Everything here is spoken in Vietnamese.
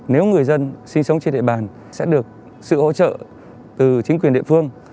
nếu người dân sinh sống trên địa bàn sẽ được sự hỗ trợ từ chính quyền địa phương